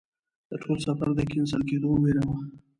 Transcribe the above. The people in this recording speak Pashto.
د ټول سفر د کېنسل کېدلو ویره وه.